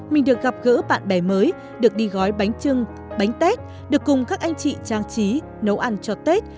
mình được gặp gỡ bạn bè mới được đi gói bánh trưng bánh tết được cùng các anh chị trang trí nấu ăn cho tết